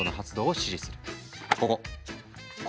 ここ！